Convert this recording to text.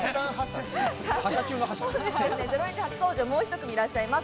『ゼロイチ』初登場、もう１組いらっしゃいます。